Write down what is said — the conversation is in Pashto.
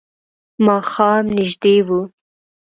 ماښام نژدې و.